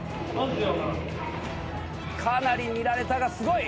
かなり見られたがすごい！